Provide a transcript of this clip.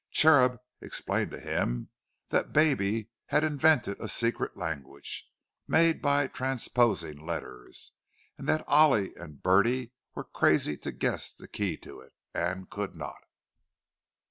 "Cherub" explained to him that "Baby" had invented a secret language, made by transposing letters; and that Ollie and Bertie were crazy to guess the key to it, and could not.